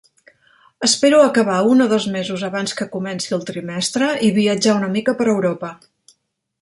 Espero acabar un o dos mesos abans que comenci el trimestre i viatjar una mica per Europa.